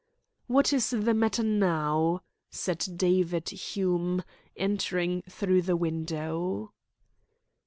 "What is the matter now?" said David Hume, entering through the window.